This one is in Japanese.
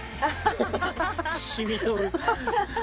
染みとる。